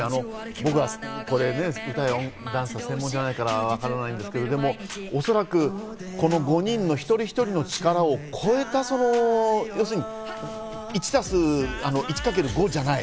僕はダンスの専門じゃないからわからないけど、おそらく５人の一人一人の力を超えた、１×５じゃない。